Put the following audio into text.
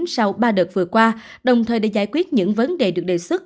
sau ba đợt vừa qua đồng thời để giải quyết những vấn đề được đề xuất